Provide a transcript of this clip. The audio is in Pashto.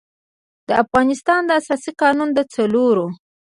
د افغانستان د اساسي قـانون د څلور